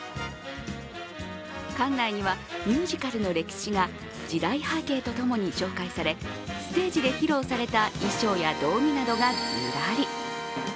館内にはミュージカルの歴史が時代背景と共に紹介されステージで披露された衣装や道具などがずらり。